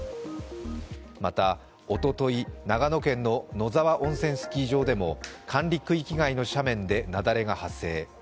また、おととい、長野県の野沢温泉スキー場でも管理区域外の斜面で雪崩が発生。